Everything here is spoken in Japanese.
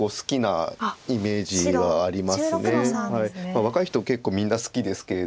若い人結構みんな好きですけれど。